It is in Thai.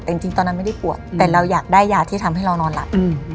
แต่จริงตอนนั้นไม่ได้ปวดแต่เราอยากได้ยาที่ทำให้เรานอนหลับ